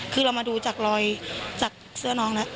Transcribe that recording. คือเรามาดูจากรอยจากเสื้อน้องแล้ว